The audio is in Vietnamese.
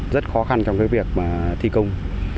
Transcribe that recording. rất khó khăn trong cái việc mà thi công